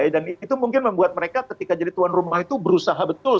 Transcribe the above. dan itu mungkin membuat mereka ketika jadi tuan rumah itu berusaha betul